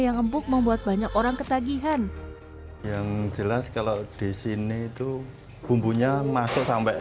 yang empuk membuat banyak orang ketagihan yang jelas kalau di sini itu bumbunya masuk sampai